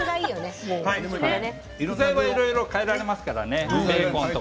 具材はいろいろ変えられますからね。